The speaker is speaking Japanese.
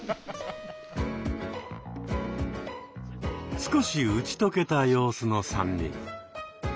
少し打ち解けた様子の３人。